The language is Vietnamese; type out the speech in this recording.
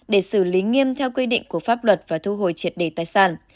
để xử lý nghiêm theo quy định của pháp luật và thu hồi triệt đề tài sản